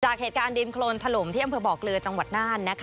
เหตุการณ์ดินโครนถล่มที่อำเภอบ่อเกลือจังหวัดน่าน